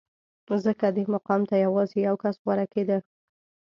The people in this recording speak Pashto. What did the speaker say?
ځکه دې مقام ته یوازې یو کس غوره کېده